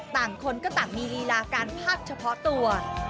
ต่างคนก็ต่างมีลีลาการภาพเฉพาะตัว